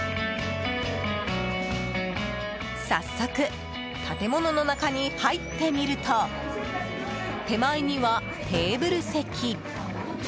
早速、建物の中に入ってみると手前にはテーブル席。